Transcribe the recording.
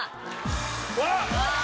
あっ！